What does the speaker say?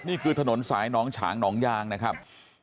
นี่คือถนนสายหนองฉางหนองยางนะครับ